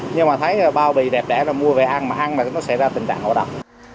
nhưng mà thấy bao bì đẹp đẽ là mua về ăn mà ăn là nó sẽ ra tình trạng ổ đập